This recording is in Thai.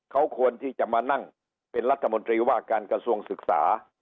เขาควรที่จะมานั่งเป็นรัฐมนตรีว่าการกระทรวงศึกษา